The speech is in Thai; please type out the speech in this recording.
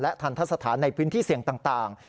ทันทะสถานในพื้นที่เสี่ยงต่าง